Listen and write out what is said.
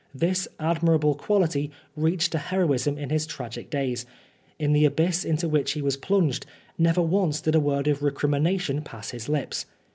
This admirable quality reached to heroism in his tragic days. In the abyss into which he was plunged, never once did a word of recrimination pass his lips.